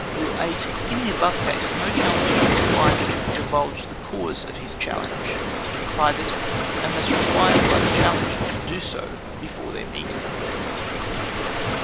"Rule 8. In the above case, no challenger is obliged to divulge the cause of his challenge, (if private,) unless required by the challenged to do so before their meeting.